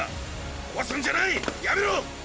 壊すんじゃないやめろ！